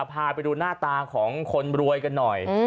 พาไปดูหน้าตาของคนรวยกันหน่อย